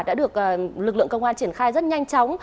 đã được lực lượng công an triển khai rất nhanh chóng